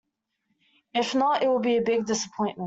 If not, it will be a big disappointment.